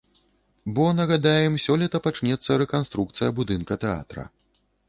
Бо, нагадаем, сёлета пачнецца рэканструкцыя будынка тэатра.